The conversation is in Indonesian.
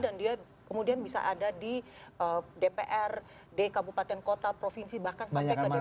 dan dia kemudian bisa ada di dpr di kabupaten kota provinsi bahkan sampai ke dpr ri